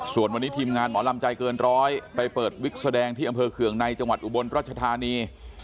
ส่วนวันนี้ทีมงานหมอลำใจเกินร้อยไปเปิดวิกแสดงที่อำเภอเคืองในจังหวัดอุบลรัชธานี